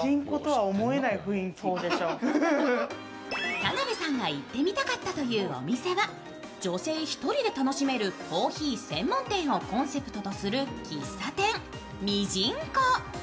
田辺さんが行ってみたかったというお店は女性１人で楽しめるコーヒー専門店をコンセプトとする喫茶店、みじんこ。